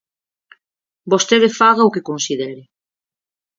Vostede faga o que considere.